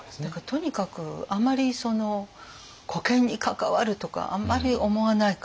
とにかくあんまりこけんに関わるとかあんまり思わない方。